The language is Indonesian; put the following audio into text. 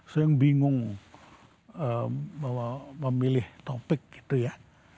sering bingung bahwa memilih topik gitu ya